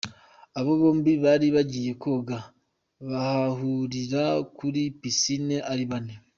Aba bombi bari bagiye koga, bahurira kuri pisine ari bane.